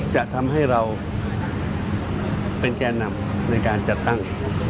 จะทำให้เราเป็นแก่นำในการจัดตั้ง